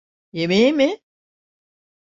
Yemeğe mi?